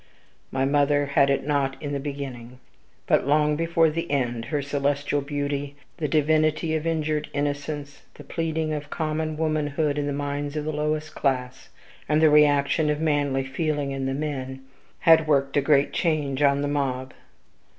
My mother had it not in the beginning; but, long before the end, her celestial beauty, the divinity of injured innocence, the pleading of common womanhood in the minds of the lowest class, and the reaction of manly feeling in the men, had worked a great change in the mob.